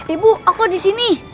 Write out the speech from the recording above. ibu aku disini